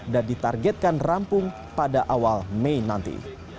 dan ditargetkan rampung pada awal mei nanti